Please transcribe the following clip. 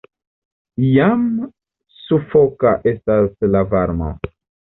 Jam sufoka estas la varmo.